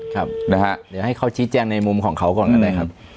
ครับนะฮะเดี๋ยวให้เขาชี้แจงในมุมของเขาก่อนก็ได้ครับ